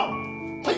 はい！」